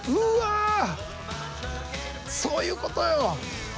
そういうことよ。